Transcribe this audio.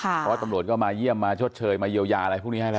เพราะว่าตำรวจก็มาเยี่ยมมาชดเชยมาเยียวยาอะไรพวกนี้ให้แล้ว